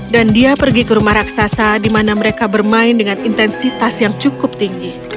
dan dia pergi ke rumah raksasa di mana mereka bermain dengan intensitas yang cukup tinggi